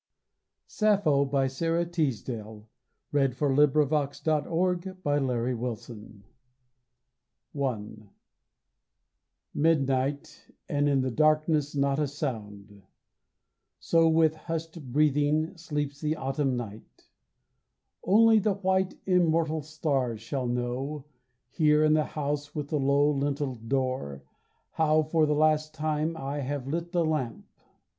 hall hear the whole deep ocean Beating under the foam. V SAPPHO SAPPHO I MIDNIGHT, and in the darkness not a sound, So, with hushed breathing, sleeps the autumn night; Only the white immortal stars shall know, Here in the house with the low lintelled door, How, for the last time, I have lit the lamp.